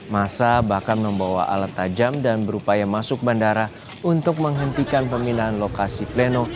masa bahkan membawa alat tajam dan berupaya masuk bandara untuk menghentikan pemindahan lokasi pleno